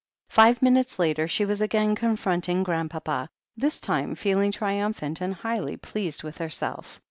Five minutes later she was again confronting Grand papa, this time feeling triumphant and highly pleased with herself.